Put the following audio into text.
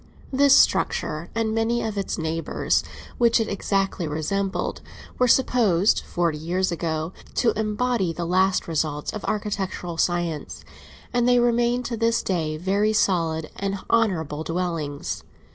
This structure, and many of its neighbours, which it exactly resembled, were supposed, forty years ago, to embody the last results of architectural science, and they remain to this day very solid and honourable dwellings.